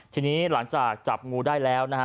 ทีนี้หลังจากจับงูได้แล้วนะฮะ